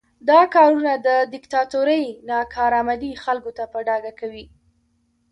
دا کارونه د دیکتاتورۍ ناکارآمدي خلکو ته په ډاګه کوي.